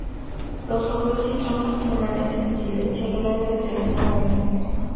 Los oboes y trompas permanecen en silencio a lo largo del segundo movimiento.